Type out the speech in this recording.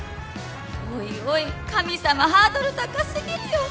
おいおい神様ハードル高すぎるよ